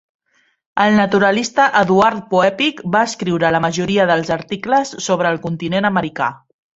El naturalista Eduard Poeppig va escriure la majoria dels articles sobre el continent americà.